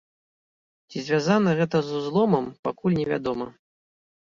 Ці звязана гэта з узломам, пакуль невядома.